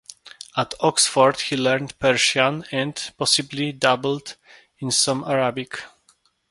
At Oxford he learnt Persian and, possibly, dabbled in some Arabic.